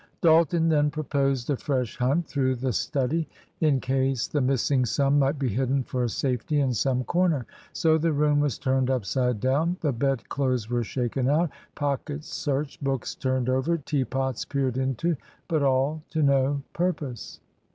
Dalton then proposed a fresh hunt through the study, in case the missing sum might be hidden for safety in some corner. So the room was turned upside down; the bed clothes were shaken out, pockets searched, books turned over, tea pots peered into; but all to no purpose.